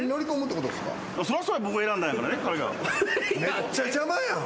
めっちゃ邪魔やん。